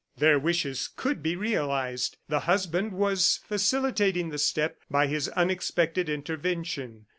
Their wishes could be realized. The husband was facilitating the step by his unexpected intervention.